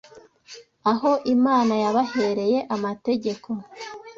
aho Imana yabahereye amategeko.